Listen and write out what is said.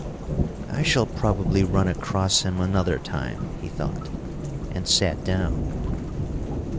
"I shall probably run across him another time," he thought, and sat down.